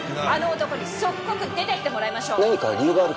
あの男に即刻出ていってもらいましょう。